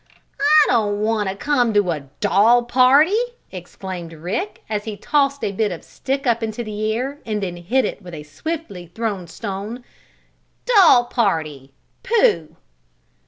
"I don't want to come to a doll party!" exclaimed Rick, as he tossed a bit of stick up into the air, and then hit it with a swiftly thrown stone. "Doll party! Pooh!"